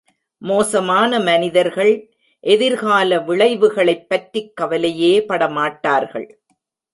மோசமான மனிதர்கள் எதிர்கால விளைவுகளைப் பற்றிக் கவலையே படமாட்டார்கள்.